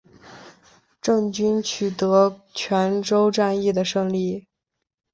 郑军取得泉州战役的胜利。